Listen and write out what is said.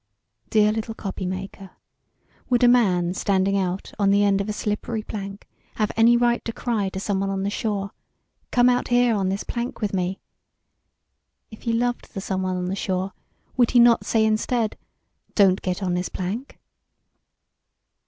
Dear little copy maker, would a man standing out on the end of a slippery plank have any right to cry to someone on the shore 'Come out here on this plank with me?' If he loved the someone on the shore, would he not say instead 'Don't get on this plank?'